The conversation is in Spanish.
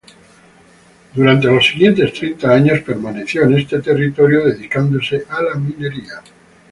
Durante los siguientes treinta años permaneció en este territorio, dedicándose a la minería.